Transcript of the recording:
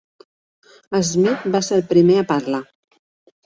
Smith va ser el primer a parlar.